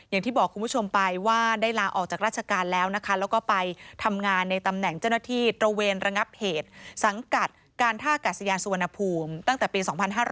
อย่างที่บอกคุณผู้ชมไปว่าได้ลาออกจากราชการแล้วนะคะแล้วก็ไปทำงานในตำแหน่งเจ้าหน้าที่ตระเวนระงับเหตุสังกัดการท่ากาศยานสุวรรณภูมิตั้งแต่ปี๒๕๕๙